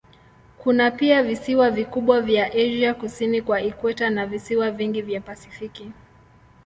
Kuna pia visiwa vikubwa vya Asia kusini kwa ikweta na visiwa vingi vya Pasifiki.